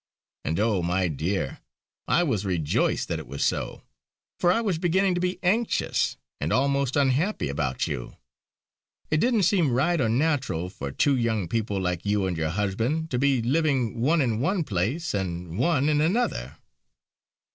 And oh! my dear, I was rejoiced that it was so; for I was beginning to be anxious, and almost unhappy about you. It didn't seem right or natural for two young people like you and your husband to be living, one in one place and one in another."